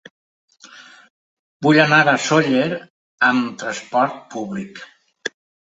Vull anar a Sóller amb transport públic.